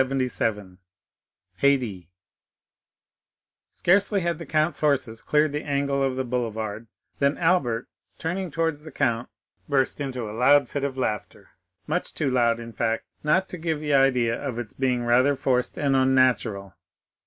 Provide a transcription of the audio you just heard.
Haydée Scarcely had the count's horses cleared the angle of the boulevard, when Albert, turning towards the count, burst into a loud fit of laughter—much too loud in fact not to give the idea of its being rather forced and unnatural.